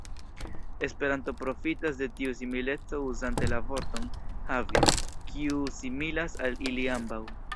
Esperanto profitas de tiu simileco uzante la vorton "havi", kiu similas al ili ambaŭ.